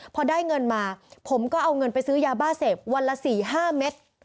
พอได้เงินมาผมก็เอาเงินไปซื้อยาบ้าเสพวันละ๔๕เม็ด